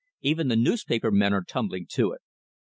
Even the newspaper men are tumbling to it.